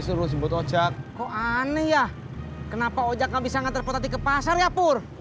suruh sebut oca kok aneh ya kenapa ojek nggak bisa ngantar potati ke pasar ya pur